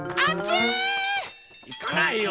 いかないよ！